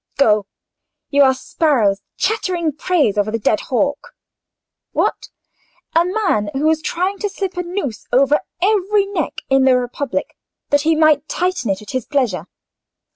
Go! you are sparrows chattering praise over the dead hawk. What! a man who was trying to slip a noose over every neck in the Republic that he might tighten it at his pleasure!